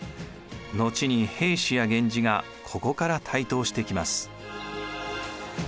後に平氏や源氏がここから台頭してきます。